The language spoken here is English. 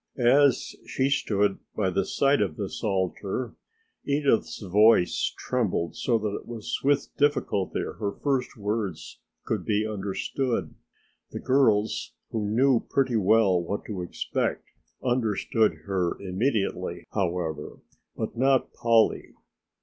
As she stood by the side of this altar Edith's voice trembled so that it was with difficulty her first words could be understood. The girls who knew pretty well what to expect understood her immediately, however, but not Polly!